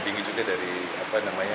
sendirian atau berjalan lancar